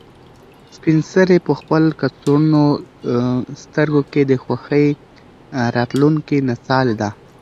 سپین سرې په خپل کڅوړنو سترګو کې د خوښۍ راتلونکې نڅا لیده.